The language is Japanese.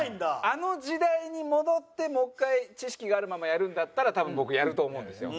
あの時代に戻ってもう１回知識があるままやるんだったら多分僕やると思うんですよ。